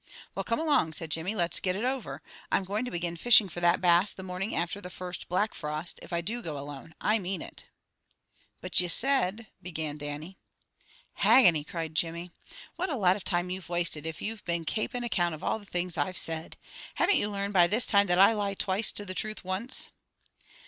"Well, come along!" said Jimmy. "Let's get it over. I'm going to begin fishing for that Bass the morning after the first black frost, if I do go alone. I mean it!" "But ye said " began Dannie. "Hagginy!" cried Jimmy. "What a lot of time you've wasted if you've been kaping account of all the things I've said. Haven't you learned by this time that I lie twice to the truth once?"